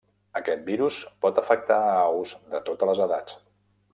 Aquest virus pot afectar a aus de totes les edats.